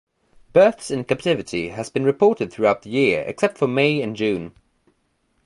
Births in captivity have been reported throughout the year except for May and June.